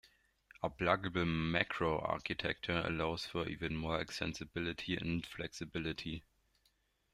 A pluggable macro architecture allows for even more extensibility and flexibility.